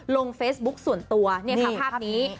ลงเฟซบุ๊คส่วนตัวเนี่ยค่ะภาพนี้